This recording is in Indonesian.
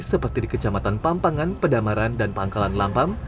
seperti di kecamatan pampangan pedamaran dan pangkalan lampam